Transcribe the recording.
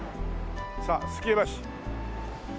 さあ数寄屋橋。